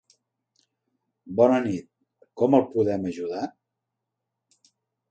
Bona nit, com el podem ajudar?